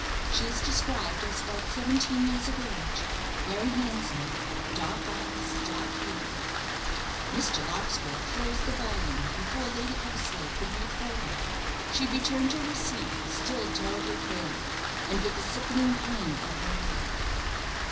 She is described as about seventeen years of age, very handsome, dark eyes, dark hair " Mr. Larkspur closed the volume before Lady Eversleigh could read further. She returned to her seat, still terribly pale, and with a sickening pain at her heart.